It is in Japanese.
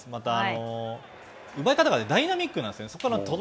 また、奪い方が、ダイナミックなんですよね。